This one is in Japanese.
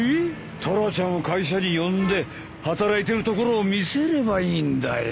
タラちゃんを会社に呼んで働いてるところを見せればいいんだよ。